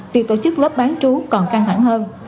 việc tổ chức lớp bán trú còn căng hẳn hơn